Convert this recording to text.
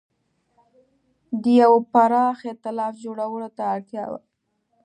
د یوه پراخ اېتلاف جوړولو ته اړتیا وه.